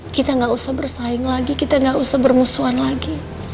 kita nggak usah bersaing lagi kita nggak usah bermusuhan lagi